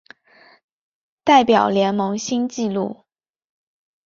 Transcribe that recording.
代表联盟新纪录